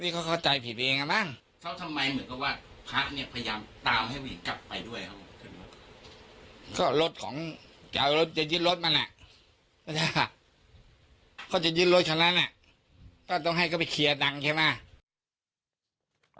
เขาก็จะยื่นรถฉะนั้นเนี่ยเนี่ยก็ต้องให้เขาไปเคลียร์ดังใช่มั้ย